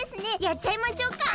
やっちゃいましょうか。